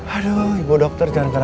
aduh ibu dokter jangan gara gara